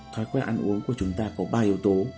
thói quen ăn uống của chúng ta có ba yếu tố